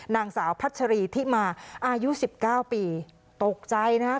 นางสาวพัชรีที่มาอายุสิบเก้าปีตกใจนะครับ